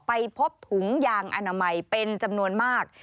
ไปพบถุงยางอนามัยเป็นจำนวนมาก